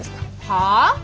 はあ？